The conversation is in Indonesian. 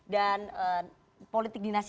dan politik dinasi